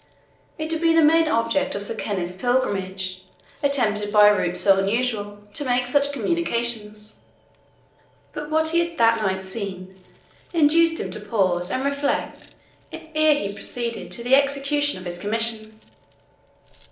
It had been a main object of Sir Kenneth's pilgrimage, attempted by a route so unusual, to make such communications; but what he had that night seen induced him to pause and reflect ere he proceeded to the execution of his commission.